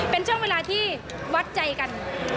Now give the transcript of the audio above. เป็นช่วงเวลาที่วัดใจกัน